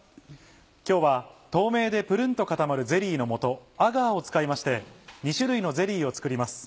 今日は透明でプルンと固まるゼリーのもとアガーを使いまして２種類のゼリーを作ります。